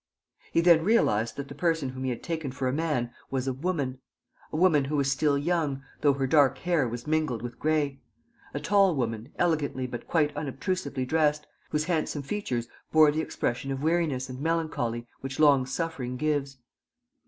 He then realized that the person whom he had taken for a man was a woman: a woman who was still young, though her dark hair was mingled with gray; a tall woman, elegantly but quite unobtrusively dressed, whose handsome features bore the expression of weariness and melancholy which long suffering gives.